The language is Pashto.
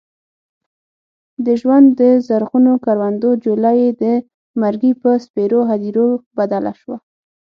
د ژوند د زرغونو کروندو جوله یې د مرګي په سپېرو هديرو بدله شوه.